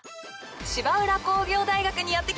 芝浦工業大学にやってきました。